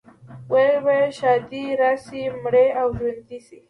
ویل به یې ښادي راشي، مړی او ژوندی شي.